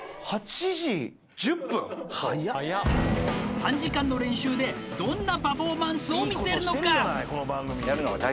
３時間の練習でどんなパフォーマンスを見せるのか？